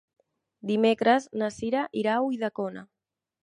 Dimecres na Cira irà a Ulldecona.